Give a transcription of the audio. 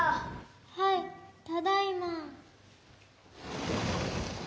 ・「はいただいま」。